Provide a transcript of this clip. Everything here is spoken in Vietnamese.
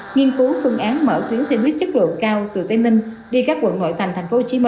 nghiên cứu phương án mở tuyến xe buýt chất lượng cao từ tây ninh đi các quận nội thành tp hcm